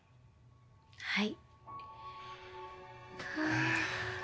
はい。